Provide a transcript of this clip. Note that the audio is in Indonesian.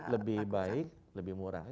lebih baik lebih murah